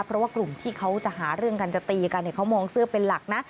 เพราะว่ากลุ่มที่เขาจะหาเรื่องกันจะตีกันเขามองเสื้อเป็นหลักนะ